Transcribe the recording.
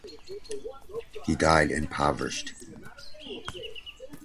He died impoverished.